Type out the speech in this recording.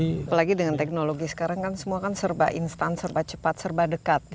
apalagi dengan teknologi sekarang kan semua kan serba instan serba cepat serba dekat ya